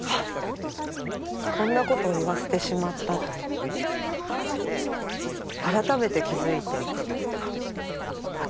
こんなことを言わせてしまったと思って改めて気付いて「ああ諦められない」って。